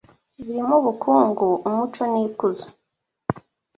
birimo ubukungu, umuco n’ikuzo